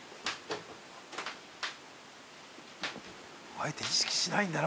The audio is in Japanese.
あえて意識しないんだな